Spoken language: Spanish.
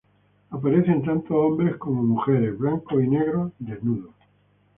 Aparecen tanto hombres como mujeres: blancos y negros, desnudos.